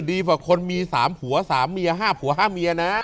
ดีกว่าคนมี๓ผัว๓เมีย๕ผัว๕เมียนะ